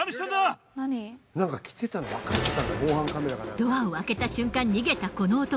ドアを開けた瞬間逃げたこの男。